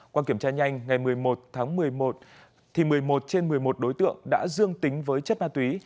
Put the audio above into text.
qua kiểm tra nhanh ngày một mươi một tháng một mươi một thì một mươi một trên một mươi một đối tượng đã dương tính với chất ma túy